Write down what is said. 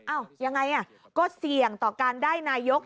ยังไงก็เสี่ยงต่อการได้นายก